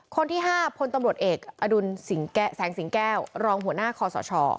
คนที่๕พลตำรวจเอกอดุลแสงสิงแก้วรองหัวหน้าคอสช